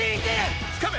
つかめ！